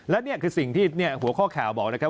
และนี่คือสิ่งที่หัวข้อข่าวบอกนะครับ